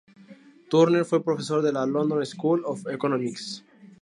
Turner fue profesor de la London School of Economics.